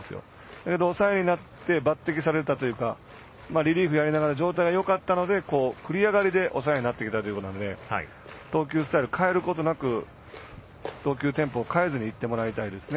だけど抑えになってバッティングされたというかリリーフやりながら状態がよかったので繰り上がりで抑えになってきたということなので投球スタイル変えることなく投球テンポ変えることなくいってもらいたいですね。